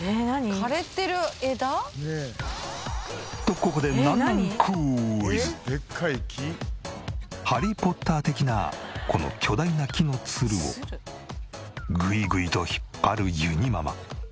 枯れてる枝？とここで『ハリー・ポッター』的なこの巨大な木のツルをグイグイと引っ張るゆにママ。